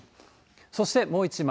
そして、もう１枚。